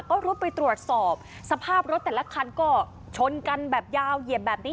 ก็รุดไปตรวจสอบสภาพรถแต่ละคันก็ชนกันแบบยาวเหยียบแบบนี้